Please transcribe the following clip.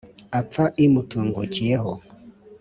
apfa imutungukiyeho